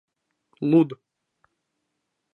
— Луд!